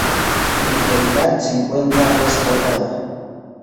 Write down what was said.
En la actualidad se encuentra restaurada.